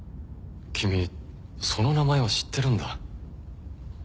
君その名前を知ってるんだ。